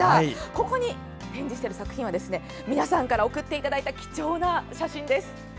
ここに展示している作品は皆さんから送っていただいた貴重な写真です。